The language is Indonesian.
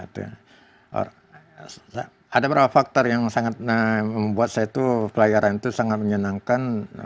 ada beberapa faktor yang sangat membuat saya itu pelayaran itu sangat menyenangkan